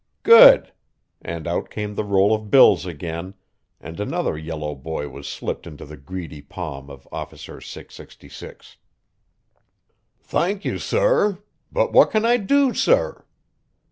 "Good!" and out came the roll of bills again and another yellow boy was slipped into the greedy palm of Officer 666. "Thank you, sorr. But what can I do, sorr?"